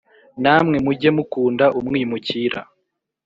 Namwe mujye mukunda umwimukira,